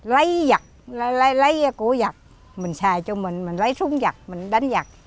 lấy vật lấy của vật mình xài cho mình mình lấy súng vật mình đánh vật